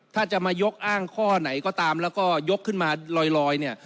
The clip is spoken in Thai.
ถ้าจะมายกอ้างข้อไหนก็ตามแล้วก็ยกขึ้นมาลอยเนี่ย